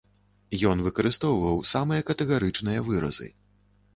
Ён выкарыстоўваў самыя катэгарычныя выразы.